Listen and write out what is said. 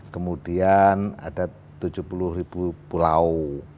kemudian ada tujuh puluh ribu pulau